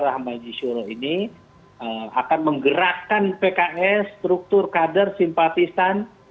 arahma jishuro ini akan menggerakkan pks struktur kader simpatisan